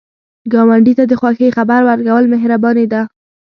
ګاونډي ته د خوښۍ خبر ورکول مهرباني ده